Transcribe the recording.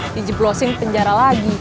dijeblosin ke penjara lagi